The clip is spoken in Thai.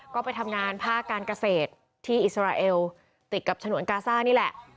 ก็ไปทำงานภาคการเกษตรที่อิสราเอลติดกับฉนวนกาซ่านี่แหละ